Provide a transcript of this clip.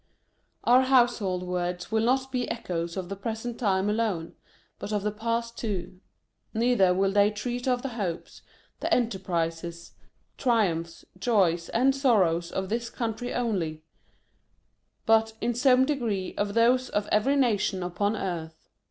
Our Household Words will not be echoes of the present time alone, but of the past too. Neither will they treat of the hopes, the enterprises, triumphs, joys, and sorrows, of this country only, but, in some degree, of those of every nation upon earth.